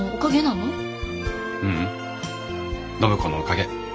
暢子のおかげ。